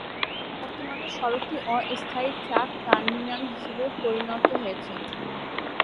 বর্তমানে সড়কটি অস্থায়ী ট্রাক টার্মিনাল হিসেবে পরিণত হয়েছে।